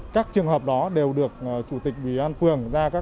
các trường hợp đó đều được chủ tịch ubnd phường ra khám